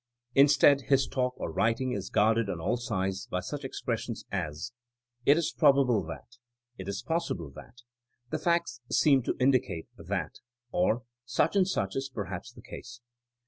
'' Instead, his talk or writing is guarded on all sides by such expressions as It is probable that/' *4t is possible that," '*the facts seem to indicate that"; or such and such is perhaps the case."